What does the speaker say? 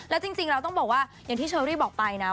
แล้วจริงเราต้องบอกว่าอย่างที่เชอรี่บอกไปนะ